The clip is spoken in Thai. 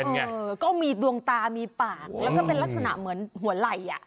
เออก็มีดวงตามีปากแล้วก็เป็นลักษณะเหมือนหัวไหล่อ่ะ